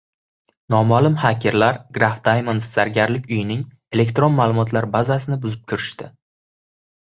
Noma’lum xakerlar Graff Diamonds zargarlik uyining elektron ma’lumotlar bazasini buzib kirishdi